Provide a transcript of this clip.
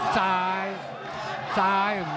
ซ้ายซ้าย